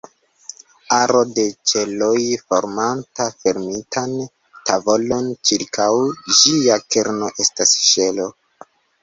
Aro de ĉeloj formanta fermitan tavolon ĉirkaŭ ĝia kerno estas ŝelo.